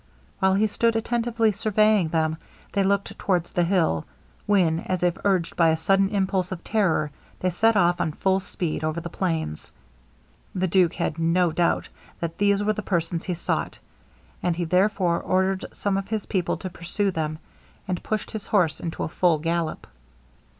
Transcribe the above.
While he stood attentively surveying them, they looked towards the hill, when, as if urged by a sudden impulse of terror, they set off on full speed over the plains. The duke had no doubt that these were the persons he sought; and he, therefore, ordered some of his people to pursue them, and pushed his horse into a full gallop.